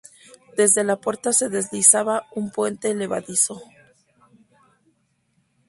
Desde la puerta se deslizaba un puente levadizo.